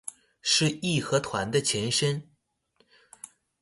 是義和團的前身